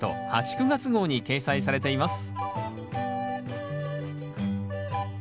９月号に掲載されています